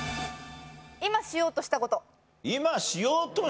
今しようとしたことどうだ？